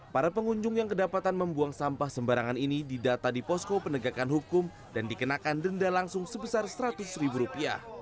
para pengunjung yang kedapatan membuang sampah sembarangan ini didata di posko penegakan hukum dan dikenakan denda langsung sebesar rp seratus